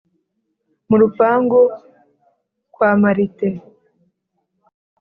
mu rupangu kwa marite